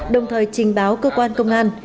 đồng thời trình báo cơ quan công an